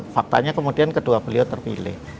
faktanya kemudian kedua beliau terpilih